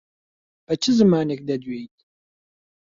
بە چ زمانێک دەدوێیت؟